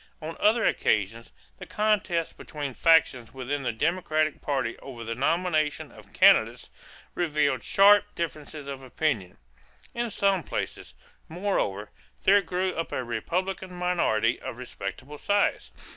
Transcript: On other occasions, the contests between factions within the Democratic party over the nomination of candidates revealed sharp differences of opinion. In some places, moreover, there grew up a Republican minority of respectable size.